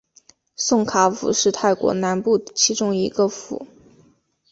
宋卡府是泰国南部其中的一个府。